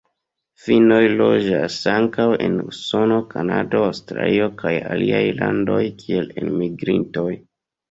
Finnoj loĝas ankaŭ en Usono, Kanado, Aŭstralio kaj aliaj landoj kiel elmigrintoj.